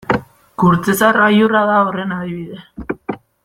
Kurtzezar gailurra da horren adibide.